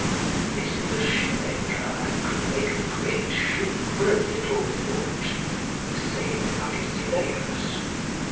This was a shoemaker, who can make a great shoe for a little foot. [A saying of Agesilaus.